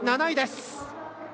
７位です。